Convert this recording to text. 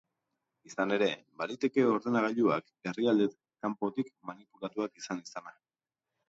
Izan ere, baliteke ordenagailuak herrialde kanpotik manipulatuak izan izana.